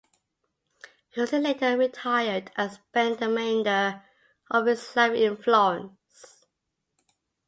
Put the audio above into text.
Curci later retired and spent the remainder of his life in Florence.